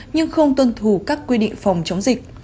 nhưng không tuân thủ các quy định phòng chống dịch